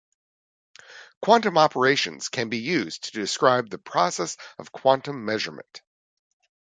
Quantum operations can be used to describe the process of quantum measurement.